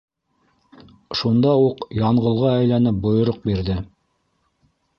Шунда уҡ Янғолға әйләнеп бойороҡ бирҙе: